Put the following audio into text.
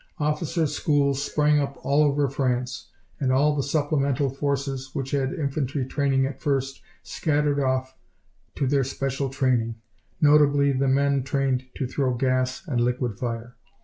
Officers' schools sprang up all over France, and all the supplemental forces, which had infantry training at first, scattered off to their special training, notably the men trained to throw gas and liquid fire.